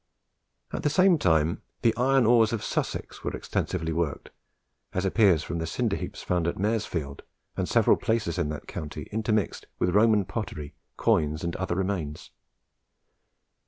At the same time, the iron ores of Sussex were extensively worked, as appears from the cinder heaps found at Maresfield and several places in that county, intermixed with Roman pottery, coins, and other remains.